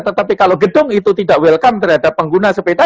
tetapi kalau gedung itu tidak welcome terhadap pengguna sepeda